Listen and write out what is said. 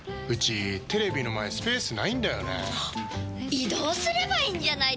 移動すればいいんじゃないですか？